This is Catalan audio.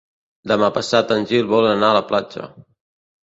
Demà passat en Gil vol anar a la platja.